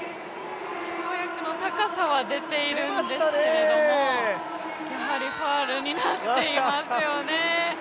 跳躍の高さは出ているんですが、ファウルになっていますよね